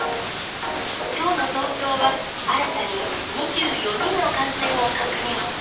きょうの東京は、新たに２４人の感染を確認。